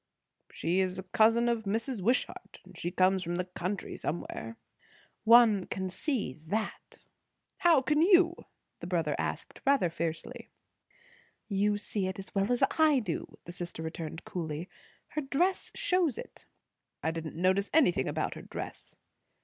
"She is a cousin of Mrs. Wishart; and she comes from the country somewhere." "One can see that." "How can you?" the brother asked rather fiercely. "You see it as well as I do," the sister returned coolly. "Her dress shows it." "I didn't notice anything about her dress."